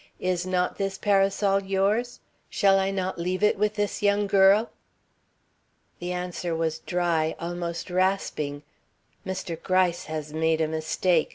Is not this parasol yours? Shall I not leave it with this young girl?' "The answer was dry, almost rasping: 'Mr. Gryce has made a mistake.